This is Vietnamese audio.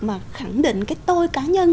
mà khẳng định cái tôi cá nhân